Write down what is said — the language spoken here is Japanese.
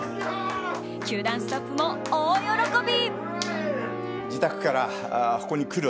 球団スタッフも大喜び。